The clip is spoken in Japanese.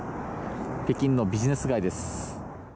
北京のビジネス街です。